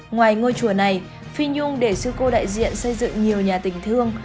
ngoài ngôi chùa này phi nhung để sư cô đại diện xây dựng nhiều nhà tình thương